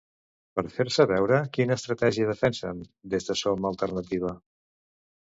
Per fer-se veure, quina estratègia defensen des de Som Alternativa?